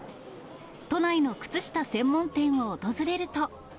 都内の靴下専門店を訪れると。